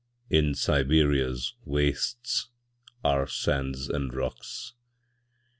In Siberia's wastesAre sands and rocks.